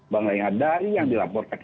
bangga yang ada yang dilaporkan